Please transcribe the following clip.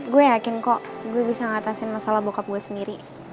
gue yakin kok gue bisa ngatasin masalah bockup gue sendiri